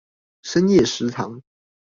深夜食堂